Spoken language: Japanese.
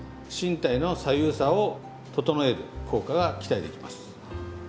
身体の左右差を整える効果が期待できます。